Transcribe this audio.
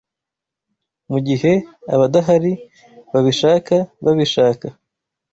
Mugihe abadahari babishaka babishaka